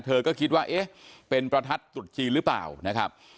เธอก็คิดว่าเอ๊ะเป็นประทัดตรุษจีนหรือเปล่านะครับ